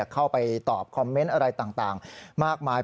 เข้าไปตอบคอมเมนต์อะไรต่างมากมาย